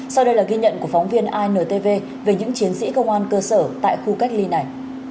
sau đây là ghi nhận của phóng viên intv về những chiến sĩ công an cơ sở tại khu cách ly này